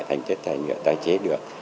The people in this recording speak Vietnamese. thành chất thải nhựa tài chế được